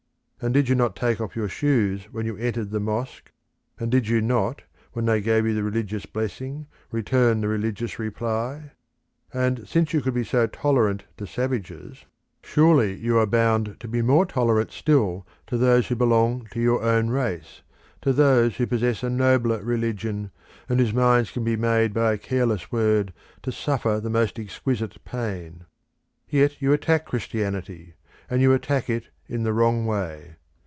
And did you not take off your shoes when you entered the mosque, and did you not, when they gave you the religious blessing, return the religious reply? And since you could be so tolerant to savages, surely you are bound to be more tolerant still to those who belong to your own race, to those who possess a nobler religion, and whose minds can be made by a careless word to suffer the most exquisite pain. Yet you attack Christianity, and you attack it in the wrong way.